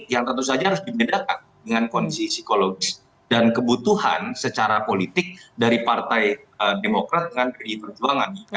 yang tentu saja harus dibedakan dengan kondisi psikologis dan kebutuhan secara politik dari partai demokrat dengan pdi perjuangan